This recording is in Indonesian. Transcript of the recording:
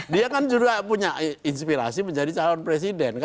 dia kan juga punya inspirasi menjadi calon presiden